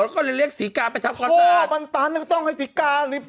ก็เลยเรียกศีกาไปทำความสะอาดท่อมันตันก็ต้องให้ศีกา